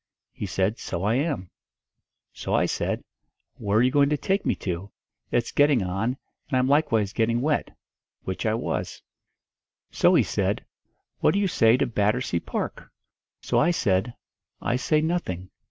He said, 'So I am.' So I said, 'Where are you going to take me to? It's getting on, and I'm likewise getting wet' which I was. So he said, 'What do you say to Battersea Park?' So I said, 'I say nothing.